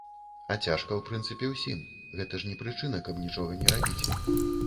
А цяжка ў прынцыпе ўсім, гэта ж не прычына, каб нічога не рабіць.